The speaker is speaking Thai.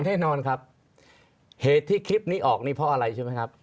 แน่นอนครับเหตุที่คลิปนี้ออกนี่เพราะอะไรใช่ไหมครับ